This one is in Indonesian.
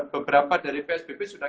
beberapa dari psbb sudah